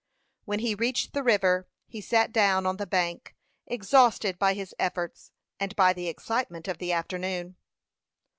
When he reached the river, he sat down on the bank, exhausted by his efforts and by the excitement of the afternoon.